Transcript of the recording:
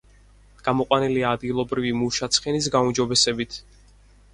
გამოყვანილია ადგილობრივი მუშა ცხენის გაუმჯობესებით.